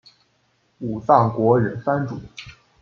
武藏国忍藩主。